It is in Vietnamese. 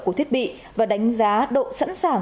của thiết bị và đánh giá độ sẵn sàng